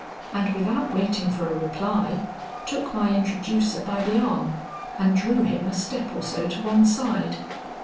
And without waiting for a reply, took my introducer by the arm and drew him a step or so to one side.